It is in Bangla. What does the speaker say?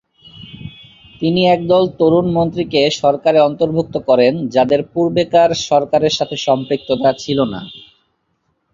তিনি একদল তরুণ মন্ত্রীকে সরকারে অন্তর্ভুক্ত করেন যাদের পূর্বেকার সরকারের সাথে সম্পৃক্ততা ছিল না।